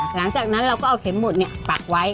หลังจากนั้นเราก็เอาเข็มหมดปักไว้